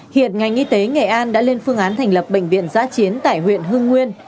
hiện ngành y tế nghệ an đã lên phương án thành lập bệnh viện giã chiến tại huyện hưng nguyên